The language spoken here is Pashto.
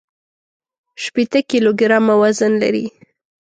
شپېته کيلوګرامه وزن لري.